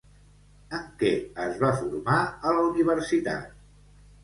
En què es va formar a la universitat?